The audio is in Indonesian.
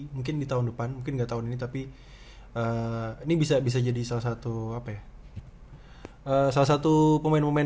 mungkin di tahun depan mungkin nggak tahun ini tapi ini bisa bisa jadi salah satu apa ya salah satu pemain pemain